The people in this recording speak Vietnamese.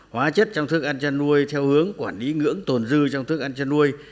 hóa chất trong thức ăn chăn nuôi theo hướng quản lý ngưỡng tồn dư trong thức ăn chăn nuôi